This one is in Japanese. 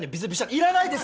要らないです！